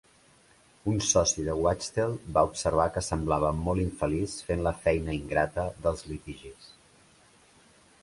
Un soci de Wachtell va observar que semblava molt infeliç fent la feina ingrata dels litigis.